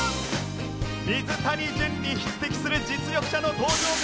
水谷隼に匹敵する実力者の登場か？